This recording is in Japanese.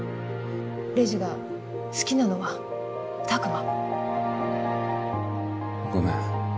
レイジが好きなのは拓真。ごめん。